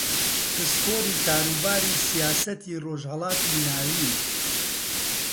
پسپۆڕی کاروباری سیاسەتی ڕۆژھەڵاتی ناوین